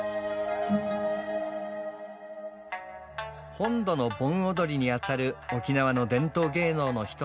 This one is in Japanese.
本土の盆踊りにあたる沖縄の伝統芸能の一つ「エイサー」。